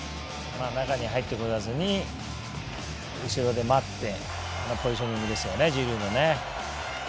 中に入ってこずに後ろで待ってポジショニングですね、ジルーの。